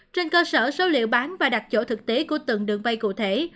trên cơ sở số liệu bán và đặt chỗ thực tế của từng đường bay cụ thể